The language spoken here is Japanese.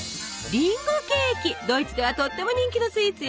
ドイツではとっても人気のスイーツよ。